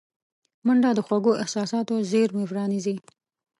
منډه د خوږو احساساتو زېرمې پرانیزي